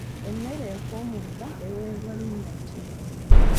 Emmere ekuumuuka eweebwa linnya ki?